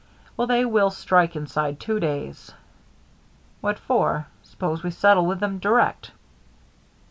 "Well, they will strike inside two days." "What for? Suppose we settle with them direct."